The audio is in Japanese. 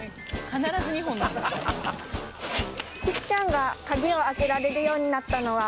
キキちゃんが鍵を開けられるようになったのは